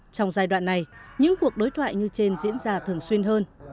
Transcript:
trong giai đoạn này những cuộc đối thoại như trên diễn ra thường xuyên hơn